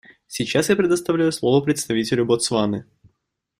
Сейчас я предоставляю слово представителю Ботсваны.